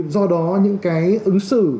do đó những cái ứng xử